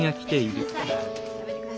・やめてください。